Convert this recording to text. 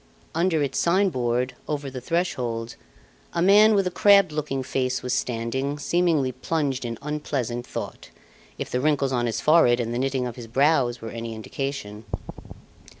Under its sign board, over the threshold, a man with a crabbed looking face was standing, seemingly plunged in unpleasant thought, if the wrinkles on his forehead and the knitting of his brows were any indication.